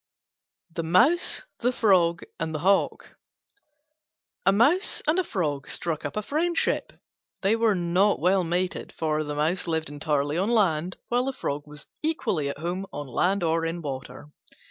THE MOUSE, THE FROG, AND THE HAWK A Mouse and a Frog struck up a friendship; they were not well mated, for the Mouse lived entirely on land, while the Frog was equally at home on land or in the water.